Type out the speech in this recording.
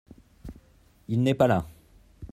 Il n’est pas là !